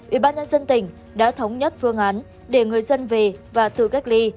ủy ban nhân dân tỉnh đã thống nhất phương án để người dân về và tự cách ly